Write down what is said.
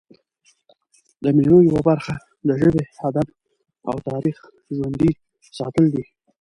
د مېلو یوه برخه د ژبي، ادب او تاریخ ژوندي ساتل دي.